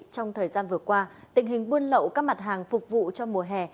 trong thời gian vừa qua tình hình buôn lậu các mặt hàng phục vụ cho mùa hè